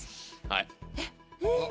はい。